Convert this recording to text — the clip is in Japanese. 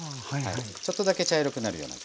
ちょっとだけ茶色くなるような。